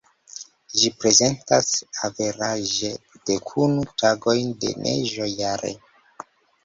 Ĝi prezentas averaĝe, dekunu tagojn de neĝo jare.